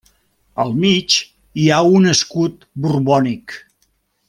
Al mig hi ha un escut borbònic.